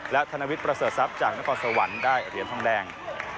และธนวิทย์ประเสริฐทรัพย์จากนครสวรรค์ได้เหรียญทองแดง